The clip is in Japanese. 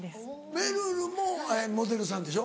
めるるもモデルさんでしょ？